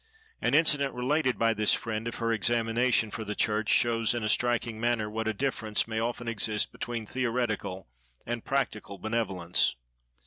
An incident related by this friend of her examination for the church shows in a striking manner what a difference may often exist between theoretical and practical benevolence.